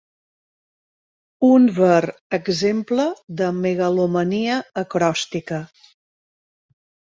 Un ver exemple de megalomania acròstica.